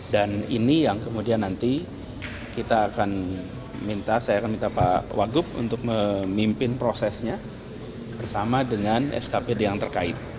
dan ini yang kemudian nanti kita akan minta saya akan minta pak wagup untuk memimpin prosesnya bersama dengan skb yang terkait